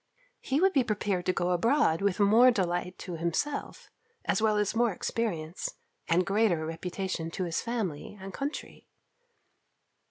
He would be prepared to go abroad with more delight to himself, as well as more experience, and greater reputation to his family and country.